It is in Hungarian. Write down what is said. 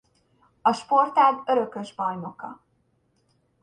A sportág örökös bajnoka.